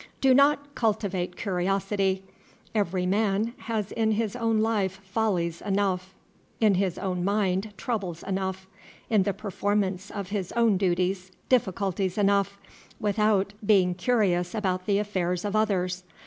Do not cultivate curiosity; every man has in his own life follies enough, in his own mind troubles enough, in the performance of his own duties difficulties enough, without being curious about the affairs of others.